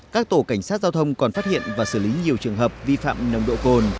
các tổ cảnh sát giao thông còn phát hiện và xử lý nhiều trường hợp vi phạm nồng độ cồn